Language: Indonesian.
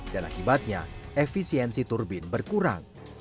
dan akibatnya efisiensi turbin berkurang